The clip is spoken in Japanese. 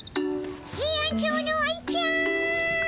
ヘイアンチョウの愛ちゃん。